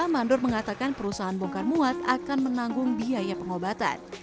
mandor mengatakan perusahaan bongkar muat akan menanggung biaya pengobatan